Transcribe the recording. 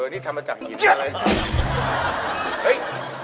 นี่ทำมาจากหินอะไร